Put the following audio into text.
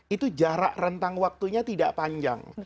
itu jarak rentang waktunya tidak panjang